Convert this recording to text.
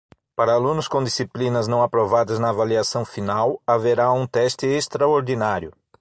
Para alunos com disciplinas não aprovadas na avaliação final, haverá um teste extraordinário.